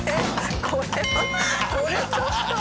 これはこれちょっと。